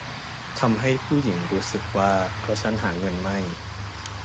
ทำให้ผู้หญิงรู้สึกว่า เพราะฉันหาเงินไม่